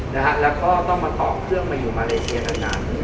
แล้วก็ต้องมาต่อเครื่องมาอยู่มาเลเซียนาน